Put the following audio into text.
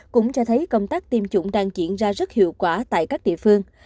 cũng cho thấy công tác tiêm chủng đang diễn ra rất hiệu quả tại các địa phương